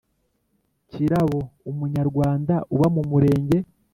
Kirabo umunyarwanda uba mu murenge